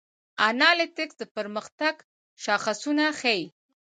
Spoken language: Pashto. انالیتکس د پرمختګ شاخصونه ښيي.